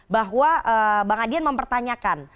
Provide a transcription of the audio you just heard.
bahwa bang adian mempertanyakan